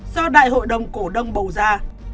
do đại hội đồng cổ đông bầu ra